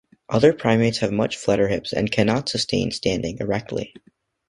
Other primates have much flatter hips and can not sustain standing erectly.